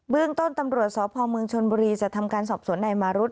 เรื่องต้นตำรวจสพเมืองชนบุรีจะทำการสอบสวนนายมารุธ